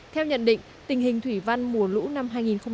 theo nhận định tình hình thủy văn mùa lũ năm hai nghìn một mươi tám